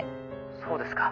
そうですか。